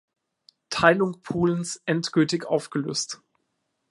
Teilung Polens endgültig aufgelöst.